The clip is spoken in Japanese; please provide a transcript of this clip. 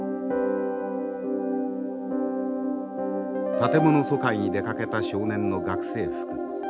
建物疎開に出かけた少年の学生服。